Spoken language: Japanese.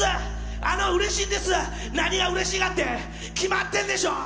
あの、うれしいんです、何がうれしいかって、決まってるでしょう。